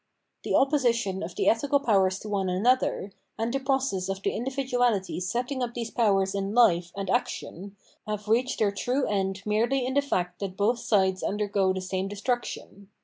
The opposition of the ethical powers to one another, and the process of the individuahties setting up these powers in life and action, have reached their true end merely in the fact that both sides undergo the same destruction.